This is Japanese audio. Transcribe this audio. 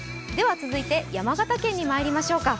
続いて山形県にまいりましょうか。